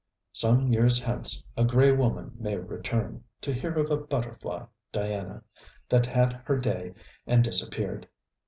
Some years hence a grey woman may return, to hear of a butterfly Diana, that had her day and disappeared.